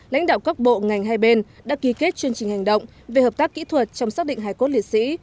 lãnh đạo các bộ ngành hai bên đã ký kết chương trình hành động về hợp tác kỹ thuật trong xác định hài cốt liệt sĩ